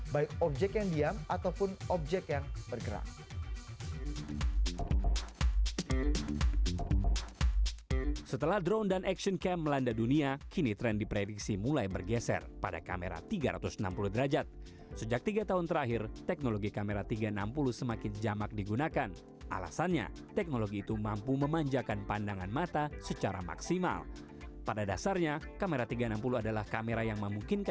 baik objek yang diam ataupun objek yang bergerak